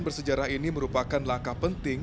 bersejarah ini merupakan langkah penting